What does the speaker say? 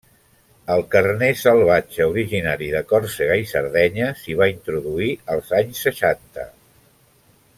El carner salvatge originari de Còrsega i Sardenya s'hi va introduir als anys seixanta.